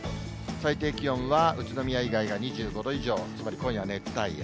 最低気温は宇都宮以外が２５度以上、つまり、今夜は熱帯夜。